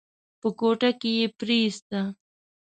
په کوټه کې يې پريېسته.